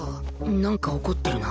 なんか怒ってるな。